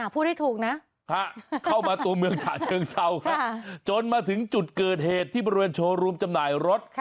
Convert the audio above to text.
พูดให้ถูกนะเข้ามาตัวเมืองฉะเชิงเศร้าจนมาถึงจุดเกิดเหตุที่บริเวณโชว์รูมจำหน่ายรถ